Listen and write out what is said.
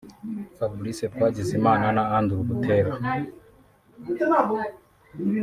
Fabrice Twagizimana na Andrew Buteera